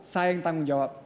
saya yang tanggung jawab